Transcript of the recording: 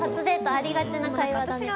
ありがちな会話だね。